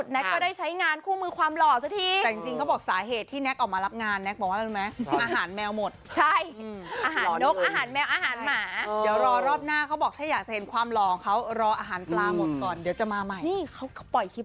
นี่เขาปล่อยคลิปแล้วนะเขาบอกว่าอาหารนกจะหมดแล้ว